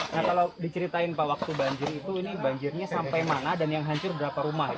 nah kalau diceritain pak waktu banjir itu ini banjirnya sampai mana dan yang hancur berapa rumah